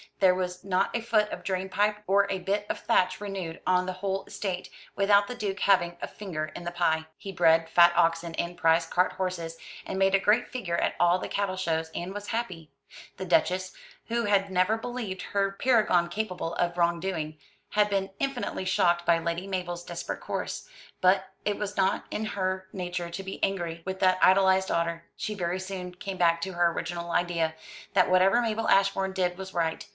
There was not a foot of drain pipe or a bit of thatch renewed on the whole estate, without the Duke having a finger in the pie. He bred fat oxen and prize cart horses, and made a great figure at all the cattle shows, and was happy. The Duchess, who had never believed her paragon capable of wrong doing, had been infinitely shocked by Lady Mabel's desperate course; but it was not in her nature to be angry with that idolised daughter. She very soon came back to her original idea, that whatever Mabel Ashbourne did was right.